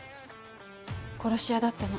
殺し屋だったの。